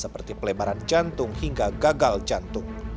seperti pelebaran jantung hingga gagal jantung